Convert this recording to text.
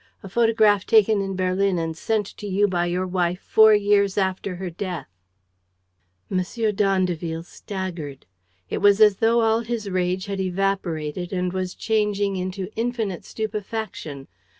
A photograph taken in Berlin and sent to you by your wife four years after her death!" M. d'Andeville staggered. It was as though all his rage had evaporated and was changing into infinite stupefaction.